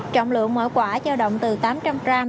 trọng lượng mỗi quả trao động từ tám trăm linh gram